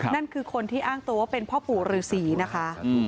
นั่นคือคนที่อ้างตัวว่าเป็นพ่อปู่ฤษีนะคะ